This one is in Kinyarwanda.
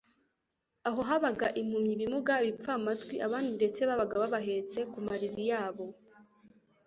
Aho habaga impumyi, ibimuga, ibipfamatwi, abandi ndetse babaga babahetse ku mariri yabo.